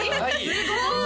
すごい！